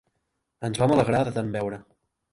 Ens vam alegrar de tant beure.